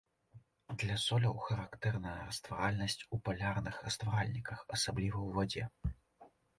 Для соляў характэрная растваральнасць у палярных растваральніках, асабліва ў вадзе.